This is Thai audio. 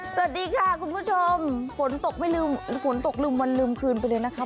สวัสดีค่ะคุณผู้ชมฝนตกไม่ลืมฝนตกลืมวันลืมคืนไปเลยนะคะ